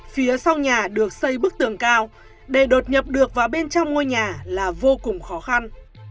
phía sau nhà được xây bức tường cao để đột nhập được vào bên trong ngôi nhà là vô cùng khó khăn